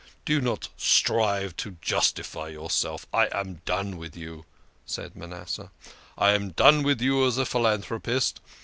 " Do not strive to justify yourself, I am done with you," said Manasseh. " I am done with you as a philanthropist.